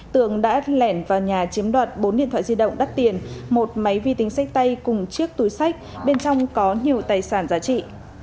tường đã lẻn vào nhà chiếm đoạt bốn điện thoại di động đắt tiền một máy vi tính xách tay cùng chiếc túi sách bên trong có nhiều tài sản giá trị